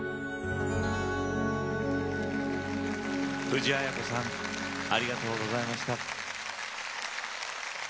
藤あや子さんありがとうございました。